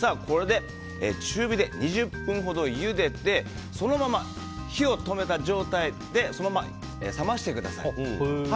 中火で２０分ほどゆでて火を止めた状態でそのまま冷ましてください。